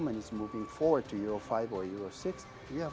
apabila standar pertama sudah siap